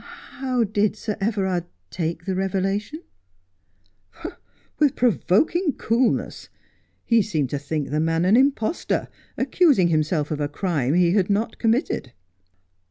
' How did Sir Everard take the revelation ?'' "With provoking coolness. He seemed to think the man an impostor, accusing himself of a crime he had not committed.'